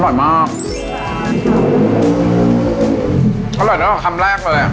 อร่อยมากเป็นคำแรกเลย